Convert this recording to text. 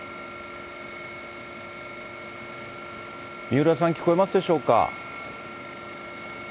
三浦さん、聞こえますでしょうか。